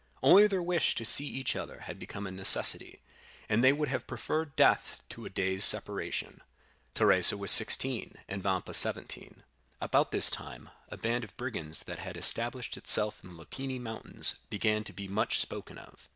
Only their wish to see each other had become a necessity, and they would have preferred death to a day's separation. "Teresa was sixteen, and Vampa seventeen. About this time, a band of brigands that had established itself in the Lepini mountains began to be much spoken of.